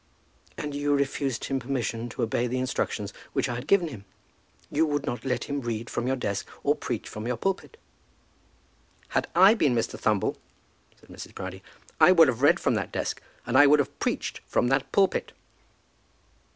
"And you refused him permission to obey the instructions which I had given him! You would not let him read from your desk, or preach from your pulpit." "Had I been Mr. Thumble," said Mrs. Proudie, "I would have read from that desk and I would have preached from that pulpit."